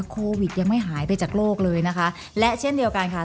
โควิดยังไม่หายไปจากโลกเลยนะคะและเช่นเดียวกันค่ะ